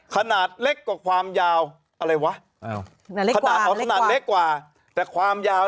ขนาดเล็กกว่าความยาว